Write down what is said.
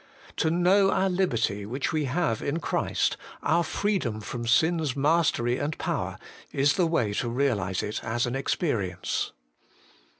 To know our liberty which we have in Christ, our freedom from sin's mastery and power, is the way to realize it as an experience.